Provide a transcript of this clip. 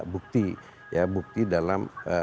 bukti ya bukti dalam